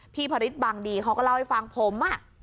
พระฤทธิบางดีเขาก็เล่าให้ฟังผมอ่ะ